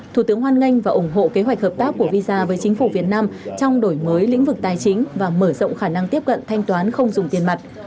thủ tướng hoan nghênh và ủng hộ kế hoạch hợp tác của visa với chính phủ việt nam trong đổi mới lĩnh vực tài chính và mở rộng khả năng tiếp cận thanh toán không dùng tiền mặt